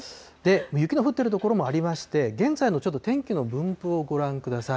雪の降っている所もありまして、現在のちょっと天気の分布をご覧ください。